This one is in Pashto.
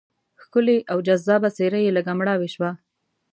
ښکلې او جذابه څېره یې لږه مړاوې شوه.